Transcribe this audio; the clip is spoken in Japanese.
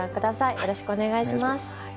よろしくお願いします。